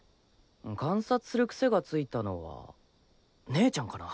観察する癖がついたのは姉ちゃんかな？